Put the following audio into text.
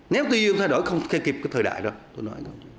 nếu tư duy không thay đổi không kịp cái thời đại đó